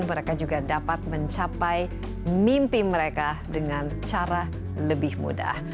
mereka juga dapat mencapai mimpi mereka dengan cara lebih mudah